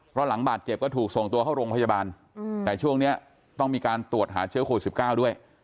เพราะหลังบาดเจ็บก็ถูกส่งตัวเข้าโรงพยาบาลแต่ช่วงนี้ต้องมีการตรวจหาเชื้อโควิด๑๙ด้วย